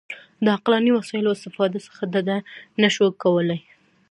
د عقلاني وسایلو استفادې څخه ډډه نه شو کولای.